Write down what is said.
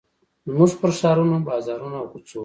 زموږ پر ښارونو، بازارونو، او کوڅو